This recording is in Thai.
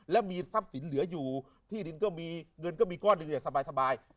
และมีทรัพย์สินเหลืออยู่ที่ดินก็มีเงินก็มีก้อนหนึ่งอย่างสบาย